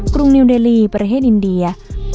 รุงนิวเดลีประเทศอินเดีย